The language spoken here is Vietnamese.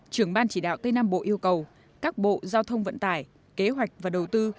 trưởng ban chỉ đạo tây nam bộ yêu cầu các bộ giao thông vận tải kế hoạch và đầu tư